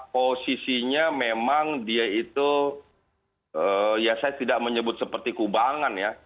posisinya memang dia itu ya saya tidak menyebut seperti kubangan ya